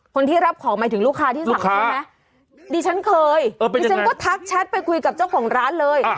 คนที่รับของหมายถึงลูกค้าที่สั่งใช่ไหมดิฉันเคยดิฉันก็ทักแชทไปคุยกับเจ้าของร้านเลย